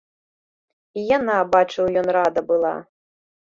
І яна, бачыў ён, рада была.